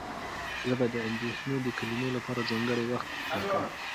زه به د اندېښنو د کمولو لپاره ځانګړی وخت وټاکم.